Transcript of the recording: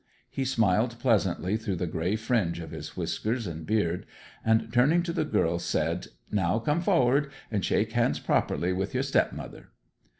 He smiled pleasantly through the grey fringe of his whiskers and beard, and turning to the girls said, 'Now come forrard, and shake hands properly with your stepmother.'